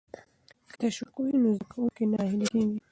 که تشویق وي نو زده کوونکی نه ناهیلی کیږي.